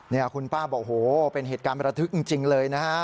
นี่คุณป้าบอกโหเป็นเหตุการณ์ประทึกจริงเลยนะฮะ